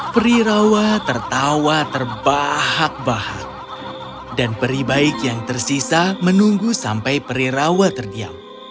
perirawa tertawa terbahak bahak dan peri baik yang tersisa menunggu sampai perirawa terdiam